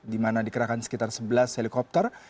di mana dikerahkan sekitar sebelas helikopter